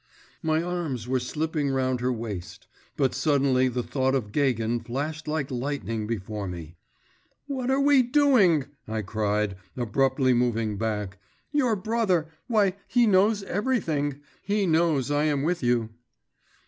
My arms were slipping round her waist.… But suddenly the thought of Gagin flashed like lightning before me. 'What are we doing,' I cried, abruptly moving back.… 'Your brother … why, he knows everything.… He knows I am with you.